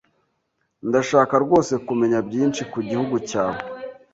Ndashaka rwose kumenya byinshi ku gihugu cyawe.